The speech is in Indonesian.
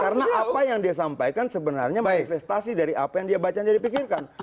karena apa yang dia sampaikan sebenarnya manifestasi dari apa yang dia baca dan dipikirkan